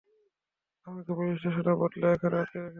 আমাকে পুলিশ স্টেশনের বদলে এখানে আটকে রেখেছে।